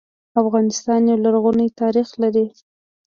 افغانستان يو لرغونی تاريخ لري